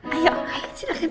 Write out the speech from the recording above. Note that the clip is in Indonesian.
ayo silahkan ke rena